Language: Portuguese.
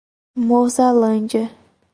Mozarlândia